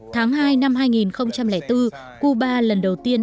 tháng hai năm hai nghìn bốn cuba lần đầu tiên